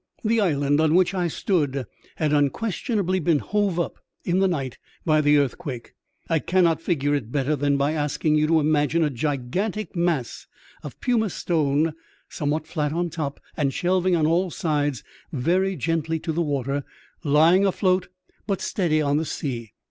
The island on which I stood had unquestionably been hove up in the night by the earthquake. I cannot figure it better than by asking you to imagine a gigantic mass of pumice stone some what flat on top and shelving on all sides very gently to the water, lying afloat but steady on the sea.